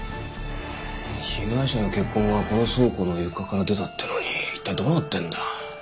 被害者の血痕がこの倉庫の床から出たってのに一体どうなってるんだ？